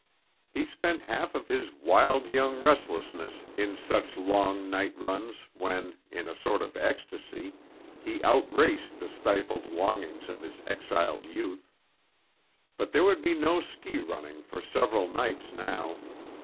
He spent half of his wild young restlessness in such long night runs when, in a sort of ecstasy, he outraced the stifled longings of his exiled youth. But there would be no ski running for several nights now.